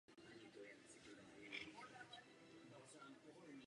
Při šesté se Hänninen o jednu pozici propadl.